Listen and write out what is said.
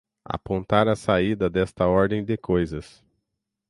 apontar a saída desta ordem de coisas